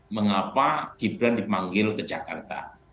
mengapa gibran dipanggil ke jakarta